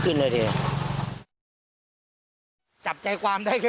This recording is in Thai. กระทั่งตำรวจก็มาด้วยนะคะ